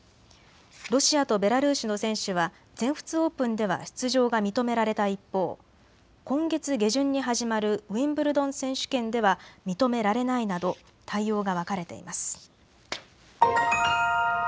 ロシアとベラルーシの選手は全仏オープンでは出場が認められた一方、今月下旬に始まるウィンブルドン選手権では認められないなど対応が分かれています。